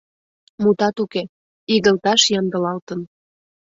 Мутат уке, игылташ ямдылалтын.